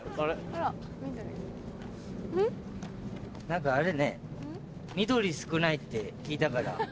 何かあれね緑少ないって聞いたから。